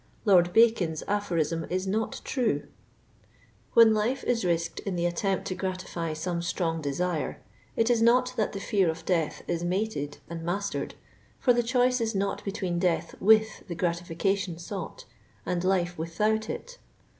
Lord Bacon's aphorism is not true." When life is risked in the attempt to gratify some strong desire, it is not that the fear of death is mated and mastered, for the choice is not hetween death with the gratification sought, and life without it.